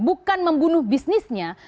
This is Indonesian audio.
bukan membunuh bisnisnya